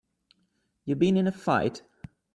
You been in a fight?